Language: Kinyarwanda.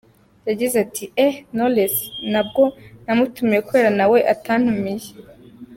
Yagize ati “Eeeeh Knowless ntabwo namutumiye kubera ko nawe atantumiye.